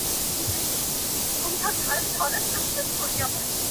چي د خالـونو ســره شــپـــــې تــېــــروم;